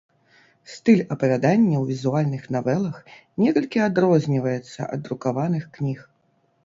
Стыль апавядання ў візуальных навелах некалькі адрозніваецца ад друкаваных кніг.